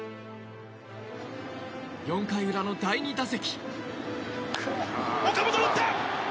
４回裏の第２打席。